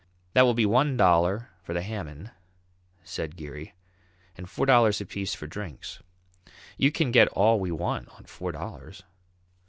"That will be one dollar for the Hammam," said Geary, "and four dollars apiece for drinks. You can get all we want on four dollars."